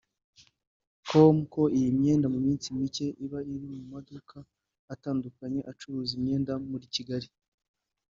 com ko iyi myenda mu minsi mike iba iri mu maduka atandukanye acuruza imyenda muri Kigali